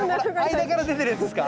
間から出てるやつですか？